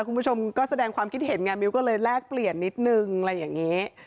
คุณผู้ชมก็แสดงความคิดเห็นไงมิ้วก็เลยแลกเปลี่ยนนิดนึงอะไรอย่างนี้